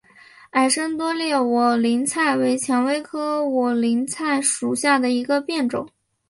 矮生多裂委陵菜为蔷薇科委陵菜属下的一个变种。